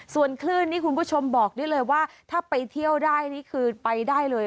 ส่วนคลื่นนี่คุณผู้ชมบอกได้เลยว่าถ้าไปเที่ยวได้นี่คือไปได้เลย